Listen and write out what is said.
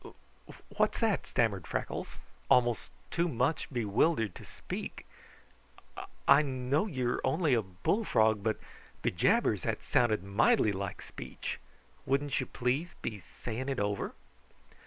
"Wha what's that?" stammered Freckles, almost too much bewildered to speak. "I I know you are only a bullfrog, but, be jabbers, that sounded mightily like speech. Wouldn't you please to be saying it over?"